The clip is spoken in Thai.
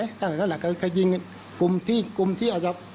แรกทาท่านก็จะยิงกลุ่มที่ประโยชน์ที่อาจจะ